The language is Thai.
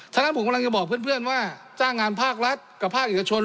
ฉะนั้นผมกำลังจะบอกเพื่อนว่าจ้างงานภาครัฐกับภาคเอกชน